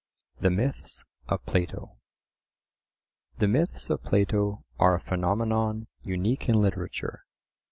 THE MYTHS OF PLATO. The myths of Plato are a phenomenon unique in literature.